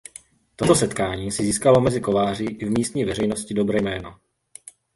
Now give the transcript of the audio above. Toto setkání si získalo mezi kováři i v místní veřejnosti dobré jméno.